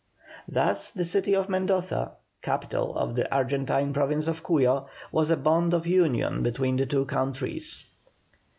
Thus the city of Mendoza, capital of the Argentine Province of Cuyo, was a bond of union between the two countries.